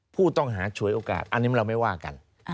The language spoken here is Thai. ผู้ต้องหาฉวยโอกาสอันนี้เราไม่ว่ากัน